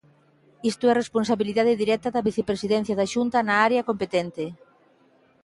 Isto é responsabilidade directa da Vicepresidencia da Xunta na área competente.